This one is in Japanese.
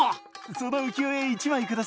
その浮世絵１枚下さい。